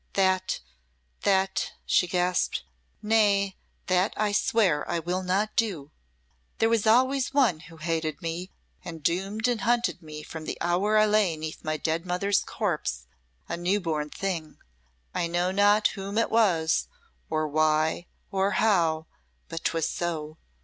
"That that!" she gasped "nay that I swear I will not do! There was always One who hated me and doomed and hunted me from the hour I lay 'neath my dead mother's corpse, a new born thing. I know not whom it was or why or how but 'twas so!